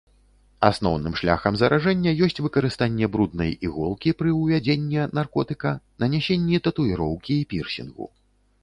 Асноўным шляхам заражэння ёсць выкарыстанне бруднай іголкі пры ўвядзенне наркотыка, нанясенні татуіроўкі і пірсінгу.